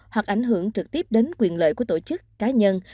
hoặc ảnh hưởng trực tiếp đến quyền lợi của tổ chức cá nhân